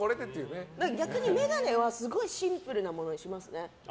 逆に眼鏡はすごいシンプルなものにしますね。